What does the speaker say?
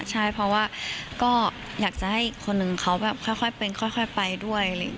ใช่เพราะว่าก็อยากจะให้อีกคนนึงเขาแบบค่อยเป็นค่อยไปด้วย